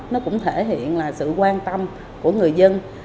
nó cũng thể hiện là sự quan tâm của người dân